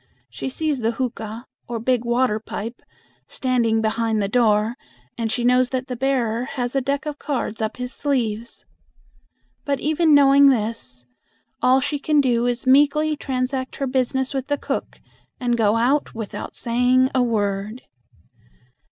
She sees the hooka or big water pipe standing behind the door, and she knows that the bearer has a deck of cards up his sleeves. But even knowing this, all she can do is to meekly transact her business with the cook and go out without saying a word.